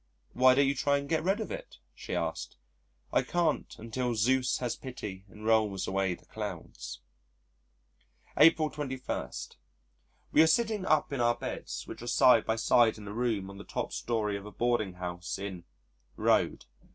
"Why don't you try and get rid of it?" she asked. "I can't until Zeus has pity and rolls away the clouds." April 21. We are sitting up in our beds which are side by side in a room on the top story of a boarding house in Road.